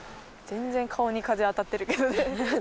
全然顔に風当たってるけどね。